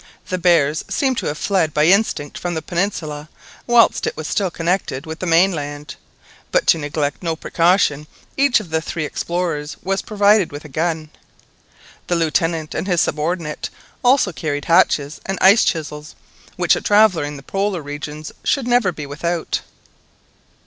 The bears seemed to have fled by instinct from the peninsula whilst it was still connected with the mainland, but to neglect no precaution each of the three explorers was provided with a gun. The Lieutenant and his subordinate also carried hatchets and ice chisels, which a traveller in the Polar regions should never be without.